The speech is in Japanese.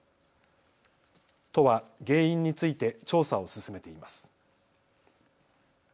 都は原因について調査を進めています。